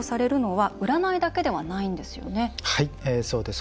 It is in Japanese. はい、そうです。